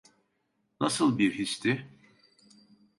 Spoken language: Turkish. Nasıl bir histi?